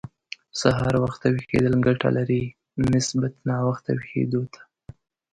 سهار وخته ويښېدل ګټه لري، نسبت ناوخته ويښېدو ته.